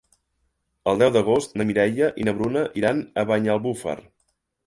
El deu d'agost na Mireia i na Bruna iran a Banyalbufar.